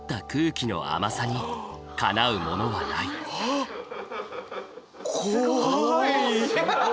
あっ怖い！